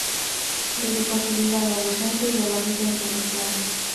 Dedicó su vida a la docencia y a la vida intelectual.